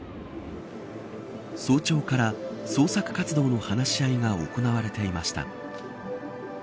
早朝から捜索活動の話し合いが行われていました。